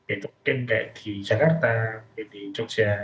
itu mungkin tidak di jakarta di jogja